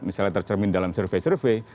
misalnya tercermin dalam survei survei